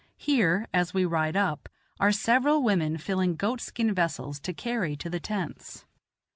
Here, as we ride up, are several women filling goat skin vessels to carry to the tents.